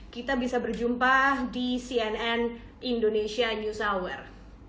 kita bisa berjumpa di cnn indonesia news hour